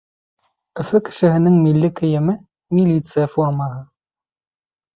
Өфө кешеһенең милли кейеме — милиция формаһы.